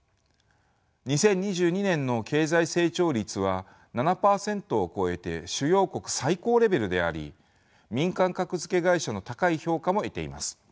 ２０２２年の経済成長率は７％を超えて主要国最高レベルであり民間格付け会社の高い評価も得ています。